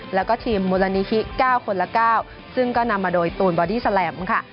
แล้วก็ทีมมุรณิฮิกเก้าคนละเก้าซึ่งก็นำมาโดยตูนบอดี้แสลมค่ะ